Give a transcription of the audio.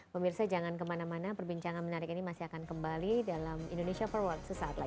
pemirsa jangan kemana mana perbincangan menarik ini masih akan kembali dalam indonesia forward sesaat lagi